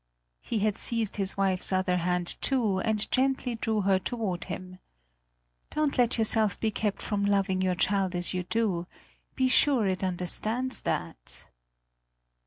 He had seized his wife's other hand too, and gently drew her toward him. "Don't let yourself be kept from loving your child as you do; be sure it understands that."